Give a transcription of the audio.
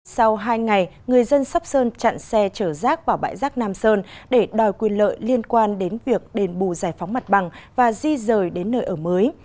sau hai ngày người dân sóc sơn chặn xe chở rác vào bãi rác nam sơn để đòi quyền lợi liên quan đến việc đền bù giải phóng mặt bằng và di rời đến nơi ở mới